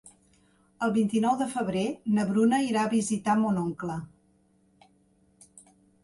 El vint-i-nou de febrer na Bruna irà a visitar mon oncle.